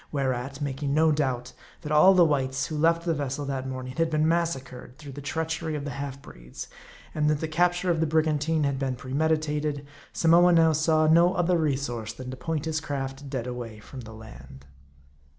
Whereat, making no doubt, that all the whites who left the vessel that morning had been massacred through the treachery of the half breeds ; and that the capture of the brigantine had been premeditated ; Samoa now saw no other resource than to point his craft dead away from the land.